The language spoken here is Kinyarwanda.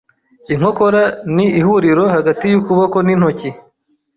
Inkokora ni ihuriro hagati yukuboko nintoki.